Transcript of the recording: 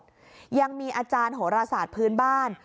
อาจารย์กำลังมีอาจารย์โหระศาสตร์พื้นบ้าน